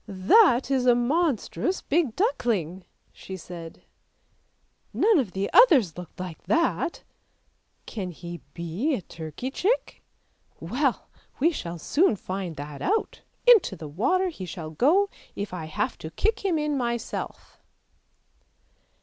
" That is a monstrous big duckling," she said; " none of the others looked like that ; can he be a turkey chick ? well we shall soon find that out ; into the water he shall go, if I have to kick him in myself."